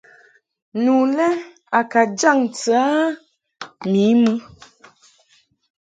Nu le a ka jaŋ ntɨ a mi mɨ.